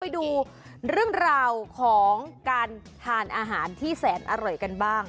ไปดูเรื่องราวของการทานอาหารที่แสนอร่อยกันบ้าง